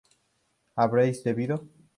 ¿habréis bebido?